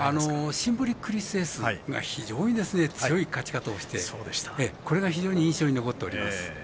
シンボリクリスエスが非常に強い勝ち方をしてこれが非常に印象に残っております。